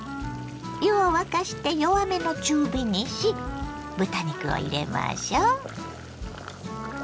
湯を沸かして弱めの中火にし豚肉を入れましょ。